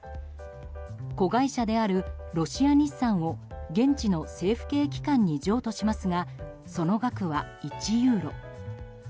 子会社であるロシア日産を現地の政府系機関に譲渡しますがその額は、１ユーロ。